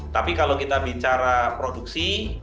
tapi kalau kita bicara produksi